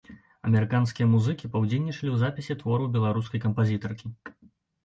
Амерыканскія музыкі паўдзельнічалі ў запісе твораў беларускай кампазітаркі.